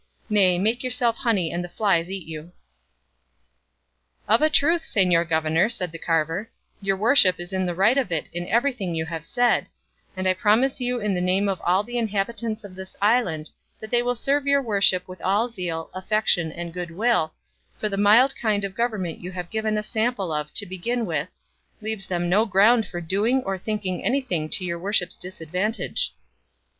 Nay! make yourself honey and the flies eat you." "Of a truth, señor governor," said the carver, "your worship is in the right of it in everything you have said; and I promise you in the name of all the inhabitants of this island that they will serve your worship with all zeal, affection, and good will, for the mild kind of government you have given a sample of to begin with, leaves them no ground for doing or thinking anything to your worship's disadvantage."